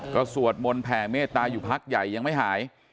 ก็สวดมนต์แผ่เมตตาอยู่พักใหญ่ยังไม่หาย